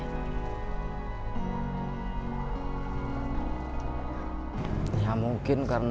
ketika ivi berada di rumah dia mengalami keadaan yang sangat teruk